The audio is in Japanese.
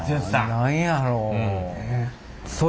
何やろう。